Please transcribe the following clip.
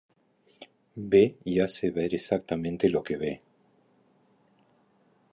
Ve, y hace ver exactamente lo que ve.